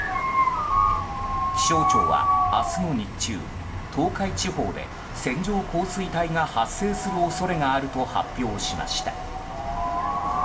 気象庁は明日の日中東海地方で線状降水帯が発生する恐れがあると発表しました。